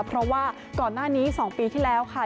เพราะว่าก่อนหน้านี้๒ปีที่แล้วค่ะ